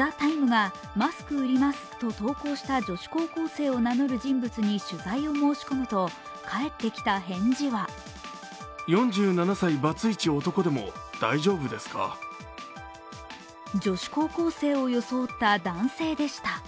「ＴＨＥＴＩＭＥ，」が「マスク売ります」と投稿した女子高校生を名乗る人物に取材を申し込むと、返ってきた返事は女子高校生を装った男性でした。